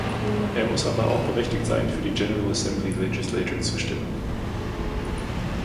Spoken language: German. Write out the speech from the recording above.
Er muss aber auch berechtigt sein, für die General Assembly Legislatur zu stimmen.